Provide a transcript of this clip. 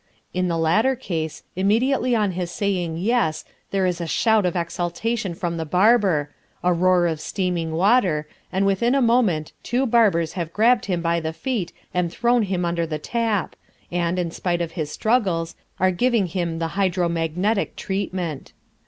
In the latter case, immediately on his saying "yes" there is a shout of exultation from the barber, a roar of steaming water, and within a moment two barbers have grabbed him by the feet and thrown him under the tap, and, in spite of his struggles, are giving him the Hydro magnetic treatment.